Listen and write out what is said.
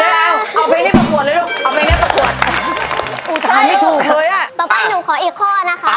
เอาเพลงที่ปรากฏเลยลูกเอาเพลงที่ปรากฏตามไม่ถูกเลยอะต่อไปหนูขออีกข้อนะคะ